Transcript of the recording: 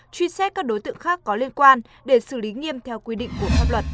truy xét các đối tượng khác có liên quan để xử lý nghiêm theo quy định của pháp luật